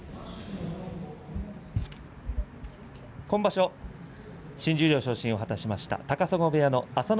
今場所新十両昇進を果たしました高砂部屋の朝乃